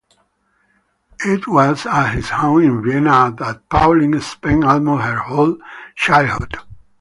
It was at his home in Vienna that Pauline spent almost her whole childhood.